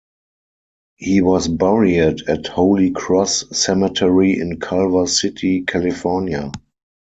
He was buried at Holy Cross Cemetery in Culver City, California.